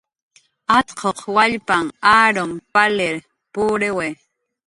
Atquq wallpanh arum palir puriwi.